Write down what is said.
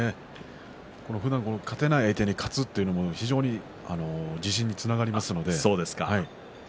ふだん勝てない相手に勝つということは自信につながりますので。